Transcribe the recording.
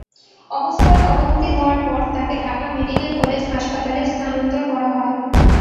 অবস্থার অবনতি হওয়ায় পরে তাঁকে ঢাকা মেডিকেল কলেজ হাসপাতালে স্থানান্তর করা হয়।